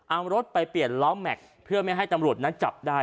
เอารถไปเปลี่ยนล้อแม็กซ์เพื่อไม่ให้ตำรวจนั้นจับได้